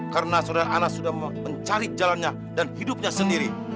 karena saudara anas sudah mencari jalannya dan hidupnya sendiri